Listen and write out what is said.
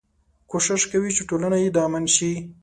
کوشش کوي چې ټولنه يې د امن شي.